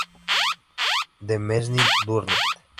Le Mesnil-Durdent